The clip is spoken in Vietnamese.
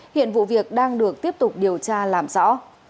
hiện vụ việc đang được tiếp tục điều tra làm rõ